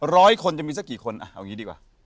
ร้อยคนจะมีสักกี่คนเอางี้ดีกว่า